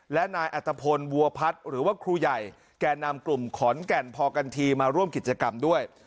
และนายอัตภพลบัวพัฒน์หรือว่าครูใหญ่แก่นำกลุ่มขอนแก่นพอกันทีมาร่วมกิจกรรมด้วย